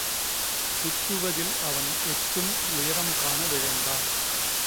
திட்டுவதில் அவன் எட்டும் உயரம் காண விழைந்தான்.